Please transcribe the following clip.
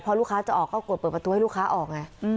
พอลูกค้าจะออกก็กดเปิดประตูให้ลูกค้าออกไง